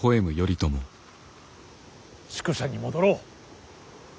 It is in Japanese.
宿所に戻ろう。